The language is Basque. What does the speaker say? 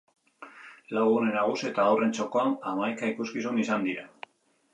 Lau gune nagusi eta haurren txokoan, hamaika ikuskizun izan dira.